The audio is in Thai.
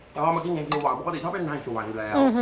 แต่พอมากินอย่างขิวหวานปกติชอบเป็นทางขิวหวานอยู่แล้ว